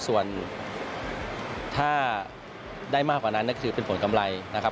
ส่วนถ้าได้มากกว่านั้นก็คือเป็นผลกำไรนะครับ